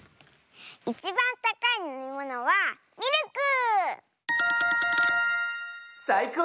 いちばんたかいのみものはミルク！さいこう！